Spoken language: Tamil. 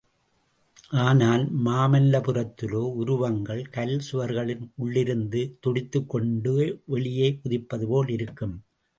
ஆனால், மாமல்லபுரத்திலோ உருவங்கள் கல் சுவர்களின் உள்ளிருந்து துடித்துக் கொண்டு வெளியே குதிப்பது போல் இருக்கும்.